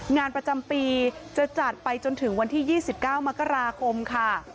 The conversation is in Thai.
งานประจำปีจะจัดไปจนถึงวันที่๒๙มกราคมค่ะ